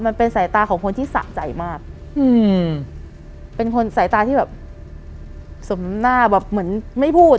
มันเป็นสายตาของคนที่สะใจมากอืมเป็นคนสายตาที่แบบสมหน้าแบบเหมือนไม่พูด